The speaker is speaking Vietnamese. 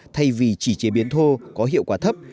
thay vì chỉ chế biến thô có hiệu quả thấp